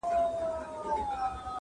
په نري تار مي تړلې یارانه ده!!